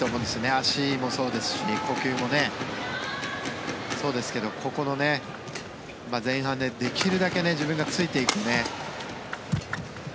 足もそうですし呼吸もそうですけどここの前半でできるだけ自分がついていくね。